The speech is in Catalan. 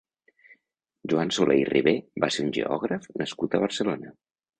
Joan Soler i Riber va ser un geògraf nascut a Barcelona.